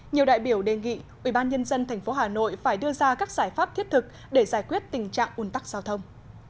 nhiều đại biểu đề nghị ubnd tp hà nội phải đưa ra các giải pháp thiết thực để giải quyết tình trạng un tắc giao thông